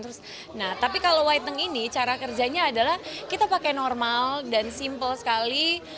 terus nah tapi kalau whitening ini cara kerjanya adalah kita pakai normal dan simple sekali